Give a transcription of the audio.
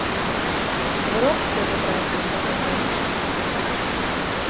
В гроб, что ли, брать, когда умру?